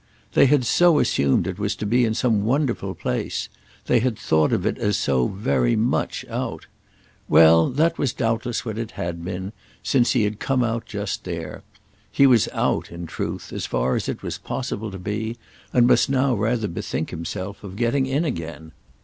They had so assumed it was to be in some wonderful place—they had thought of it as so very much out. Well, that was doubtless what it had been—since he had come out just there. He was out, in truth, as far as it was possible to be, and must now rather bethink himself of getting in again.